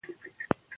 پوښتنې ولیکه.